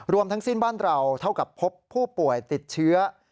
ทั้งสิ้นบ้านเราเท่ากับพบผู้ป่วยติดเชื้อ